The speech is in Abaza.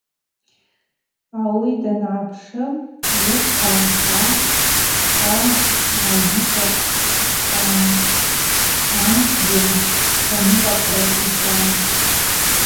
Ауи дангӏапшы лыдзхъа хӏа, чӏва агьиква щтӏан, амшвгьи тланыкъвакӏла йчӏван.